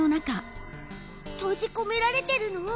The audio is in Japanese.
とじこめられてるの？